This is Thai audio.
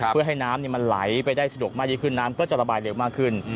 เพื่อให้น้ำมันไหลไปได้สะดวกมากยิ่งขึ้นน้ำก็จะระบายเร็วมากขึ้น